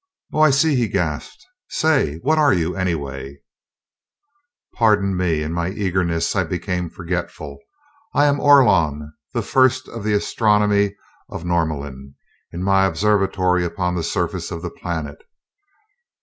"Oh, I see!" he gasped. "Say, what are you anyway?" "Pardon me; in my eagerness I became forgetful. I am Orlon, the First of Astronomy of Norlamin, in my observatory upon the surface of the planet.